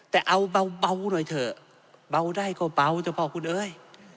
แต่เอาเบาหน่อยเถอะเบาได้ก็เบาเถอะพ่อคุณเอ้ย